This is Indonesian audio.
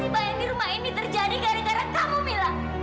semua masalah yang di rumah ini terjadi gara gara kamu mila